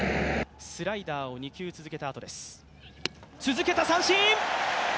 スライダーを２球続けたあとです続けた三振！